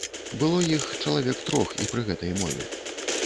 Было іх чалавек трох і пры гэтай мове.